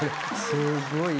すごい。